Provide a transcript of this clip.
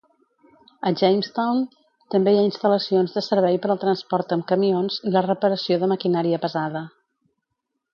A Jamestown també hi ha instal·lacions de servei per al transport amb camions i la reparació de maquinària pesada.